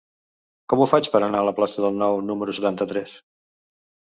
Com ho faig per anar a la plaça del Nou número setanta-tres?